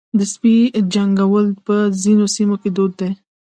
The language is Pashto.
د سپي جنګول په ځینو سیمو کې دود دی.